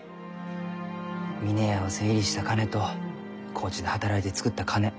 峰屋を整理した金と高知で働いて作った金。